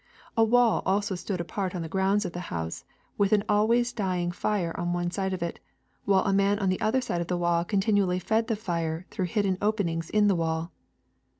A wall also stood apart on the grounds of the house with an always dying fire on one side of it, while a man on the other side of the wall continually fed the fire through hidden openings in the wall.